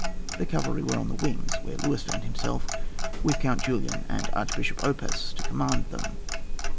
The cavalry were on the wings, where Luis found himself, with Count Julian and Archbishop Oppas to command them.